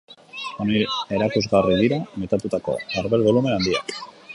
Honen erakusgarri dira metatutako arbel bolumen handiak.